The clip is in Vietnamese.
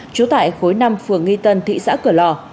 trú tại khối năm phường nghi tân thị xã cửa lò